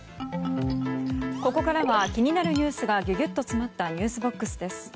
ここから気になるニュースがギュギュッと詰まったｎｅｗｓＢＯＸです。